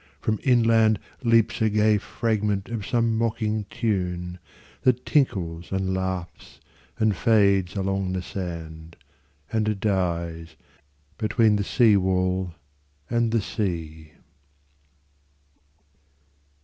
From inlandLeaps a gay fragment of some mocking tune, That tinkles and laughs and fades along the sand, And dies between the seawall and the sea.